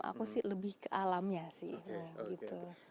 aku sih lebih ke alamnya sih